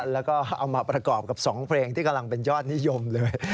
แล้วก็เอามาประกอบกับ๒เพลงที่กำลังเป็นยอดนิยมเลย